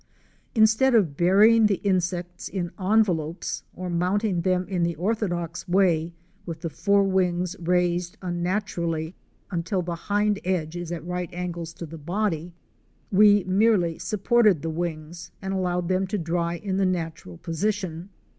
Instead of burying the insects in enve'opes or mounting them in the orthodox way with the fore wings raised unnatu rally until the hind edge is at right angles to the body, we merely supported the wings, and allowed them to dry in the natural position.